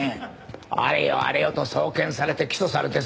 あれよあれよと送検されて起訴されてさ。